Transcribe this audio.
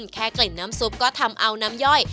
กลิ่นน้ำซุปก็ทำเอาน้ำย่อย